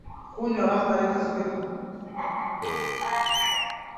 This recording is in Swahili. mwanasheria khan konde na latupi